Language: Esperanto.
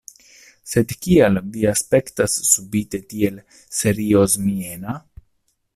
Sed kial vi aspektas subite tiel seriozmiena?